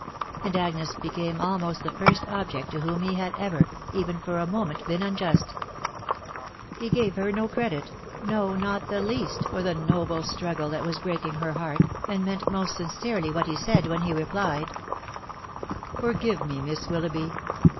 .... and Agnes became almost the first object to whom he had ever, even for a moment, been unjust. He gave her no credit .... no, not the least, for the noble struggle that was breaking her heart, and meant most sincerely what he said, when he replied,— " Forgive me, Miss Willoughby.